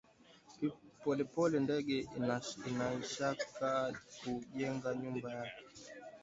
Polepole ndege anaishaka ku jenga nyumba yake